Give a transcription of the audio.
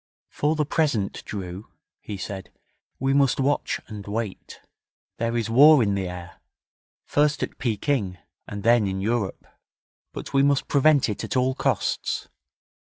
'For the present, Drew,' he said, 'we must watch and wait. There is war in the air first at Pekin, and then in Europe. But we must prevent it at all costs.